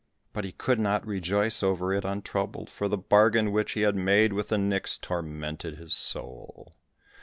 But he could not rejoice over it untroubled, for the bargain which he had made with the nix tormented his soul.